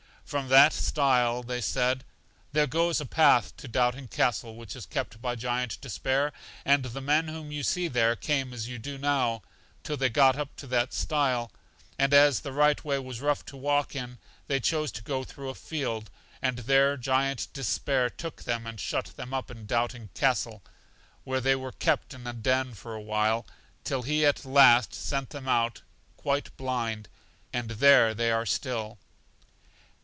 From that stile, said they, there goes a path to Doubting Castle, which is kept by Giant Despair, and the men whom you see there came as you do now, till they got up to that stile; and, as the right way was rough to walk in, they chose to go through a field, and there Giant Despair took them, and shut them up in Doubting Castle, where they were kept in a den for a while, till he at last sent them out quite blind, and there they are still.